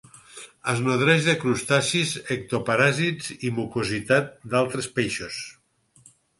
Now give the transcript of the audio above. Es nodreix de crustacis ectoparàsits i mucositat d'altres peixos.